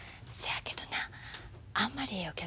そやけどなあんまりええ